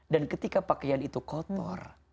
ketika pakaian itu kotor